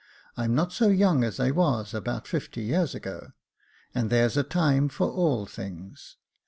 I'm not so young as I was about fifty years ago, and there's a time for all things.